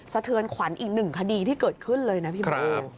เทือนขวัญอีกหนึ่งคดีที่เกิดขึ้นเลยนะพี่เบิร์ต